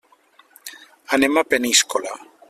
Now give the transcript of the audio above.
Anem a Peníscola.